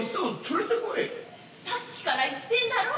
さっきから言ってんだろ。